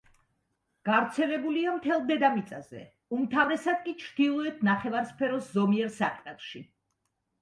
გავრცელებულია მთელ დედამიწაზე, უმთავრესად კი ჩრდილოეთ ნახევარსფეროს ზომიერ სარტყელში.